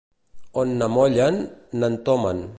On n'amollen, n'entomen.